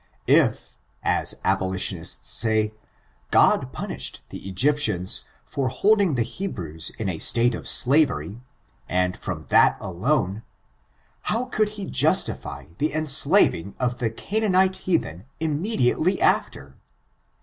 If, as ab olitionists say, God punished the Egyptians for hold ing the Hebrews in a state of slavery, and from that alone, how could he justify the enslaving of the Ca naanite heathen immediately after?